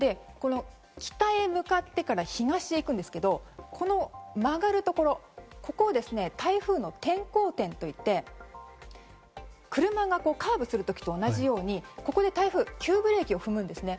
北へ向かってから東へ行くんですけどこの曲がるところここを台風の転向点といって車がカーブする時と同じようにここで台風が急ブレーキを踏むんですね。